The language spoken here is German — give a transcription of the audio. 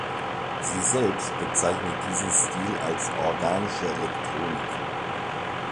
Sie selbst bezeichnet diesen Stil als „organische Elektronik“.